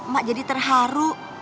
ma jadi terharu